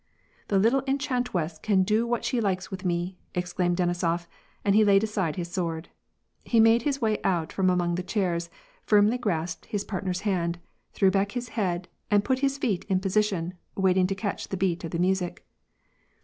" The little enchant wess can do what she likes with me !" ex claimed Denisof, and he laid aside his sword. He made his way out from among the chairs, firmly grasped his paitner's hand, threw back his head, and put his feet in position, wait ing to catch the beat of the music.